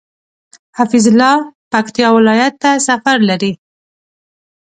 حفيظ الله پکتيا ولايت ته سفر لري